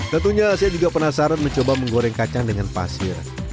tentunya saya juga penasaran mencoba menggoreng kacang dengan pasir